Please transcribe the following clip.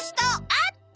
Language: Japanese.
あった！